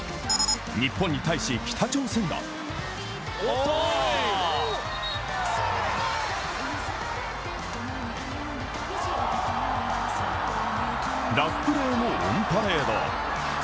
日本に対し北朝鮮がラフプレーのオンパレード。